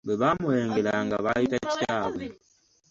Bwe baamulengeranga nga bayita kitaabwe.